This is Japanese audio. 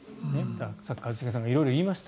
さっき、一茂さんが色々言いました。